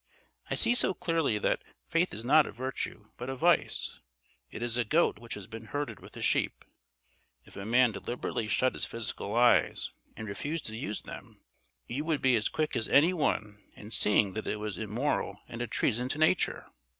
I see so clearly that faith is not a virtue, but a vice. It is a goat which has been herded with the sheep. If a man deliberately shut his physical eyes and refused to use them, you would be as quick as any one in seeing that it was immoral and a treason to Nature.